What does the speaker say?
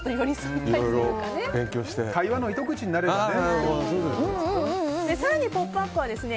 会話の糸口になるようにね。